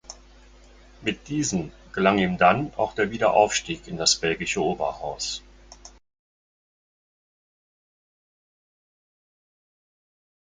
Mit diesen gelang ihm dann auch der Wiederaufstieg in das belgische Oberhaus.